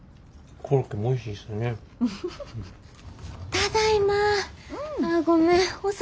ただいま。